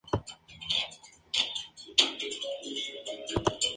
Se deben extremar las precauciones con las mujeres embarazadas.